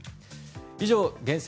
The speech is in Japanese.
以上、厳選！